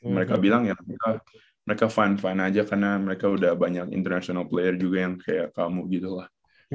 mereka bilang ya mereka fine fine aja karena mereka udah banyak international player juga yang kayak kamu gitu lah